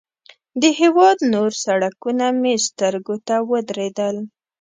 د هېواد نور سړکونه مې سترګو ته ودرېدل.